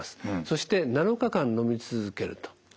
そして７日間のみ続けると。